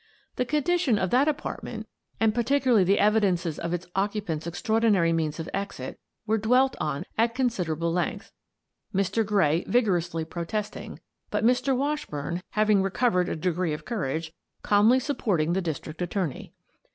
The condition of that apartment, and particularly 174 Miss Frances Baird, Detective the evidences of its occupant's extraordinary means of exit, were dwelt on: at considerable length, Mr. Gray vigorously protesting, but Mr. Washburn, having recovered a degree of courage, calmly sup porting the district attorney.